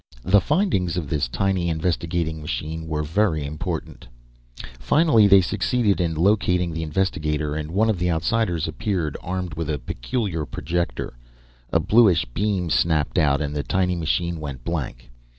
The findings of this tiny investigating machine were very important. Finally they succeeded in locating the investigator, and one of the Outsiders appeared armed with a peculiar projector. A bluish beam snapped out, and the tiny machine went blank.